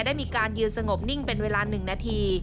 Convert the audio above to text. ได้มีการยืนสงบนิ่งเป็นเวลา๑นาที